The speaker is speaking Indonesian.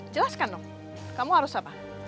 jelaskan dong kamu harus apa